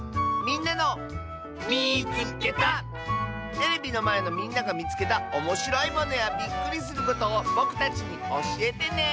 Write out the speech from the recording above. テレビのまえのみんながみつけたおもしろいものやびっくりすることをぼくたちにおしえてね！